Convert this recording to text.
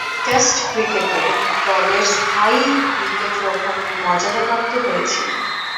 Test ক্রিকেটে দলের স্থায়ী উইকেট-রক্ষকের মর্যাদাপ্রাপ্ত হয়েছিলেন।